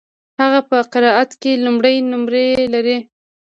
هغه په قرائت کي لوړي نمرې لري.